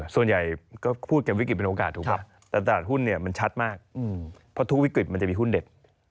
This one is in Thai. ส่วนใหญ่ก็พูดกันวิกฤตเป็นโอกาสถูกป่ะแต่ตลาดหุ้นเนี่ยมันชัดมากเพราะทุกวิกฤตมันจะมีหุ้นเด็ด